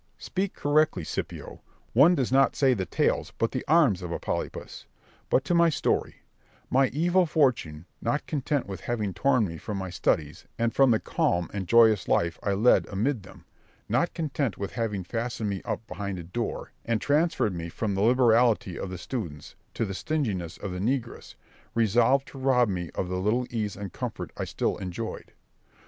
Berg. Speak correctly, Scipio: one does not say the tails but the arms of a polypus. But to my story: my evil fortune, not content with having torn me from my studies, and from the calm and joyous life I led amid them; not content with having fastened me up behind a door, and transferred me from the liberality of the students to the stinginess of the negress, resolved to rob me of the little ease and comfort I still enjoyed.